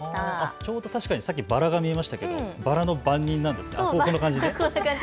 ちょうどさっきバラが見えましたけどバラの番人なんですね。